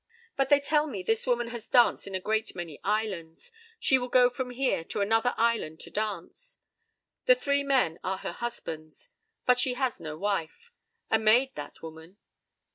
p> "But they tell me this woman has danced in a great many islands. She will go from here to another island to dance. The three men are her husbands. But she is no wife. A maid, that woman!